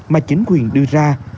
mà chính quyền đưa ra